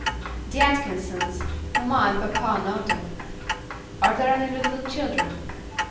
"The Atkinsons. Mamma and papa know them." "Are there any little children?"